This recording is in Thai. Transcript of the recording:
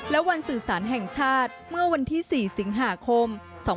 และวันสื่อสารแห่งชาติเมื่อวันที่๔สิงหาคม๒๕๕๙